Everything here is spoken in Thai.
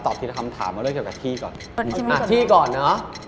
ทีละคำถามเอาเรื่องเกี่ยวกับพี่ก่อนพี่ก่อนเนอะ